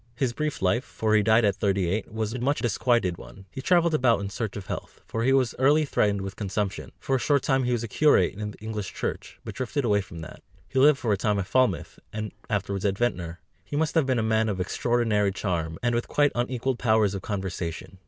His brief life, for he died at thirty eight, was a much disquieted one; he travelled about in search of health, for he was early threatened with consumption; for a short time he was a curate in the English Church, but drifted away from that. He lived for a time at Falmouth, and afterwards at Ventnor. He must have been a man of extraordinary charm, and with quite unequalled powers of conversation.